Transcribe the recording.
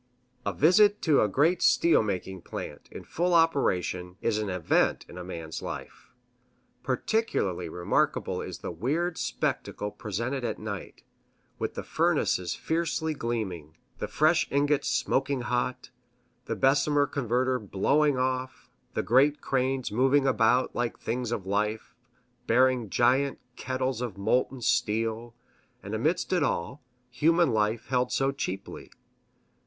A visit to a great steel making plant, in full operation, is an event in a man's life. Particularly remarkable is the weird spectacle presented at night, with the furnaces fiercely gleaming, the fresh ingots smoking hot, the Bessemer converter "blowing off," the great cranes moving about like things of life, bearing giant kettles of molten steel; and amidst it all, human life held so cheaply.